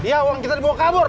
ya uang kita dibawa kabur